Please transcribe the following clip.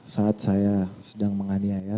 saat saya sedang menganiaya